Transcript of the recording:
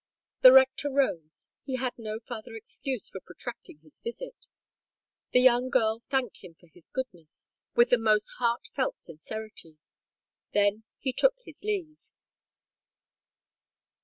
The rector rose—he had no farther excuse for protracting his visit. The young girl thanked him for his goodness with the most heart felt sincerity. He then took his leave.